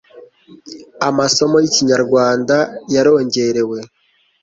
amasomo y' Ikinyarwanda yarongerewe